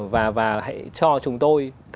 và hãy cho chúng tôi